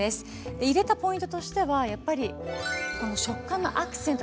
入れたポイントとしてはやっぱり食感のアクセントだと思います。